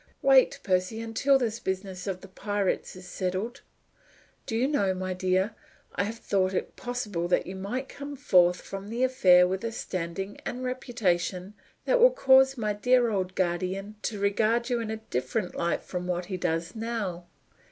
Wait, Percy, until this business of the pirates is settled. Do you know, my dear, I have thought it possible that you might come forth from that affair with a standing and reputation that will cause my dear old guardian to regard you in a different light from what he does now?